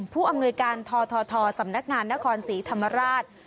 ผู้อำนวยการททสำนักงานนครศรีธรรมราช